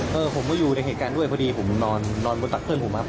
ผมก็อยู่ในเหตุการณ์ด้วยพอดีผมนอนบนตักเพื่อนผมครับ